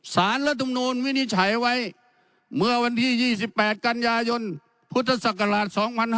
สารรัฐมนูลวินิจฉัยไว้เมื่อวันที่๒๘กันยายนพุทธศักราช๒๕๕๙